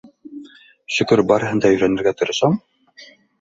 Шөкөр, барыһын да өйрәнергә тырышам.